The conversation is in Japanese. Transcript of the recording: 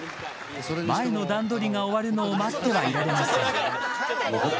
前の段取りが終わるのを待ってはいられません。